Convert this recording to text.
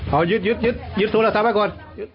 ยึดยึดโทรศัพท์ไว้ก่อน